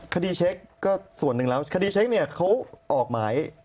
เช็คก็ส่วนหนึ่งแล้วคดีเช็คเนี่ยเขาออกหมาย